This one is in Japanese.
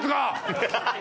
ハハハハ！